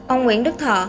ông nguyễn đức thọ